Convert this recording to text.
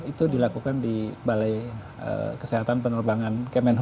itu dilakukan di balai kesehatan